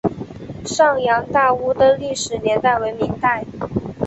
上洋大屋的历史年代为明代。